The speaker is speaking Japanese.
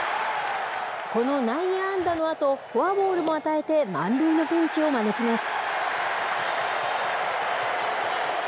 この内野安打のあとフォアボールも与えて満塁のピンチを招きます。